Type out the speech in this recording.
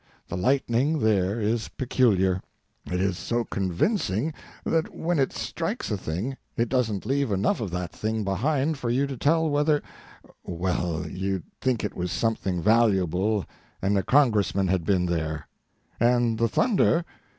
The lightning there is peculiar; it is so convincing, that when it strikes a thing it doesn't leave enough of that thing behind for you to tell whether—Well, you'd think it was something valuable, and a Congressman had been there. And the thunder.